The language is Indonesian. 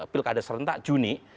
pilkada serentak juni